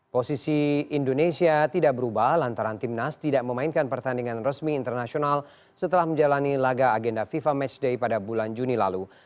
posisi indonesia tidak berubah lantaran timnas tidak memainkan pertandingan resmi internasional setelah menjalani laga agenda fifa matchday pada bulan juni lalu